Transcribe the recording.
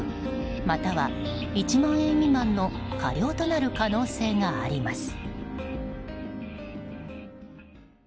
または１万円未満の科料となる可能性があります。